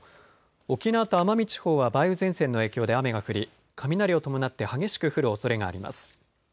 沖縄と奄美地方は梅雨前線の影響で雨が降り雷を伴って激しく降るおそれがあります。